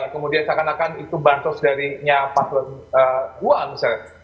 kemudian seakan akan itu bantus dari pasuan dua misalnya